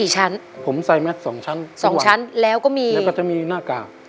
ใส่แมทครับผมใส่แมท๒ชั้นทุกวันแล้วก็มีแล้วก็มีหน้ากาก